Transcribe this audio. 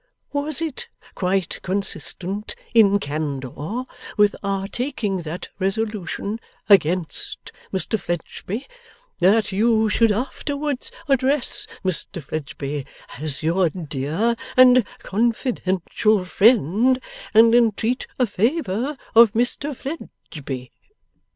Was it quite consistent, in candour, with our taking that resolution against Mr Fledgeby, that you should afterwards address Mr Fledgeby as your dear and confidential friend, and entreat a favour of Mr Fledgeby?